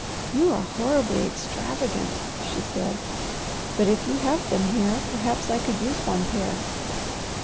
"You are horribly extravagant," she said. "But if you have them here, perhaps I could use one pair."